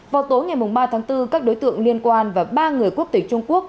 vào tối ngày ba tháng bốn các đối tượng liên quan và ba người quốc tịch trung quốc